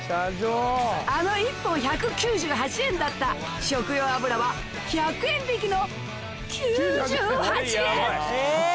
あの１本１９８円だった食用油は１００円引きの９８円！